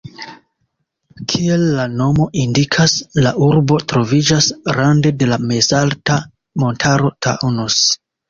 Kiel la nomo indikas, la urbo troviĝas rande de la mezalta montaro Taunus.